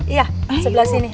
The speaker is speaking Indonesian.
iya sebelah sini